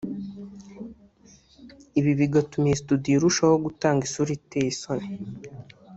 ibi bigatuma iyi studio irushaho gutanga isura iteye isoni